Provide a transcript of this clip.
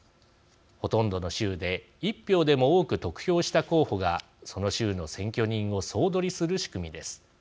ほとんどの州で１票でも多く得票した候補がその州の選挙人を総取りする仕組みです。